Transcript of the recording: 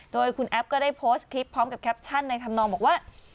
โดยคุณแอฟก็ได้โพสต์คลิปพร้อมกับแคปชั่นในธรรมนองบอกว่า